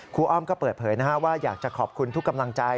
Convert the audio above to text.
อ้อมก็เปิดเผยว่าอยากจะขอบคุณทุกกำลังใจ